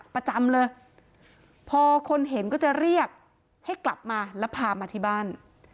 ประจำเลยพอคนเห็นก็จะเรียกให้กลับมาแล้วพามาที่บ้าน